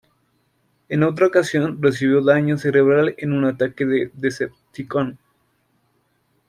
En otra ocasión recibió daño cerebral en un ataque Decepticon.